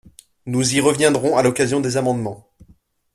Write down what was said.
Nous y reviendrons à l’occasion des amendements.